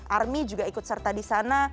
army juga ikut serta disana